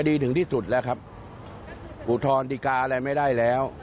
ดีถึงที่สุดแล้วครับอุทธรณ์ดีกาอะไรไม่ได้แล้ว